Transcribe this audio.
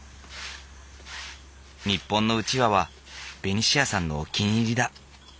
日本のうちわはベニシアさんのお気に入りだ。